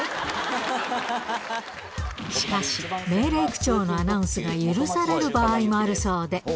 しかし、命令口調のアナウンスが許される場合もあるそうで。